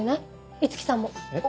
五木さんも。えっ？